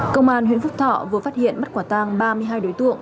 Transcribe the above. công an huyện phúc thọ vừa phát hiện bắt quả tang ba mươi hai đối tượng